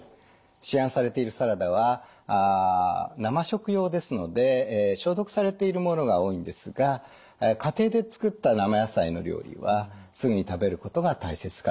市販されているサラダは生食用ですので消毒されているものが多いんですが家庭で作った生野菜の料理はすぐに食べることが大切かと思います。